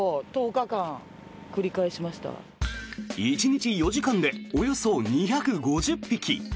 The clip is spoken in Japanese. １日４時間でおよそ２５０匹。